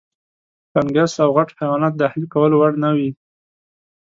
فنګس او غټ حیوانات د اهلي کولو وړ نه وو.